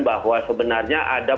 bahwa sebenarnya ada